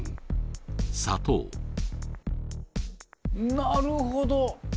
なるほど。